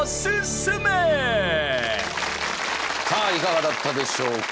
さあいかがだったでしょうか。